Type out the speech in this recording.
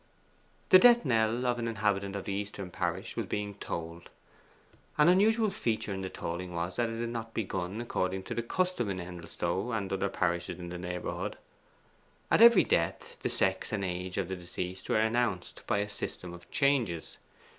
The death knell of an inhabitant of the eastern parish was being tolled. An unusual feature in the tolling was that it had not been begun according to the custom in Endelstow and other parishes in the neighbourhood. At every death the sex and age of the deceased were announced by a system of changes.